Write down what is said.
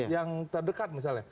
yang terdekat misalnya